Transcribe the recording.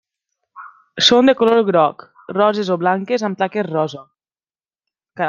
Són de color groc, roses o blanques amb taques rosa.